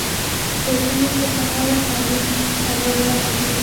په ژمي کې هوا یخه وي او واوره اوري